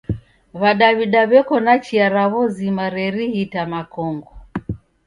W'adaw'da w'eko na chia raw'o zima rerighita makongo.